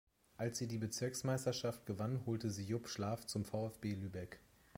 Als sie die Bezirksmeisterschaft gewann holte sie Jupp Schlaf zum VfB Lübeck.